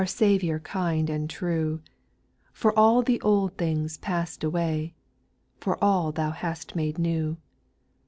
Saviour kind and true, For all the old things pass'd away, For all Thou hast made new.